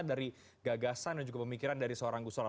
dari gagasan dan juga pemikiran dari seorang gusola